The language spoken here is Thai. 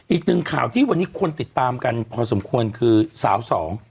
อีกหนึ่งข่าวที่วันนี้คนติดตามกันพอสมควรคือสาวสอง